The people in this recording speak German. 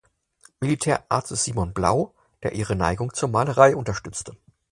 Militärarztes Simon Blau, der ihre Neigung zur Malerei unterstützte.